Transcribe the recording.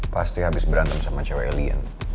pasti habis berantem sama cewek elian